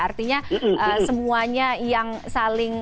artinya semuanya yang saling